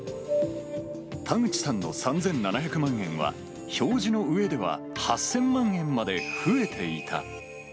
田口さんの３７００万円は、表示のうえでは８０００万円まで増えていた。